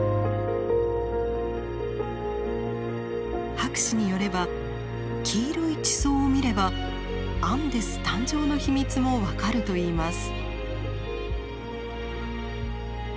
博士によれば黄色い地層を見ればアンデス誕生の秘密も分かるといいます。